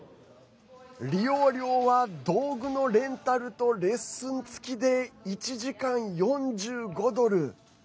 利用料は道具のレンタルとレッスン付きで１時間４５ドル。